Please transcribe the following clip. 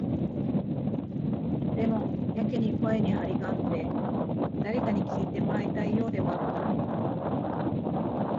でも、やけに声に張りがあって、誰かに聞いてもらいたいようでもあった。